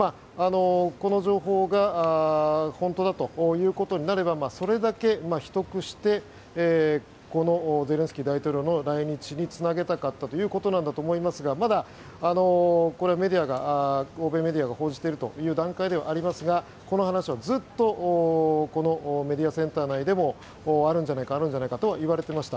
この情報が本当だということになればそれだけ秘匿してこのゼレンスキー大統領の来日につなげたかったということなんだと思いますがまだ欧米メディアが報じているという段階ではありますがこの話はずっとメディアセンター内でもあるんじゃないかとは言われていました。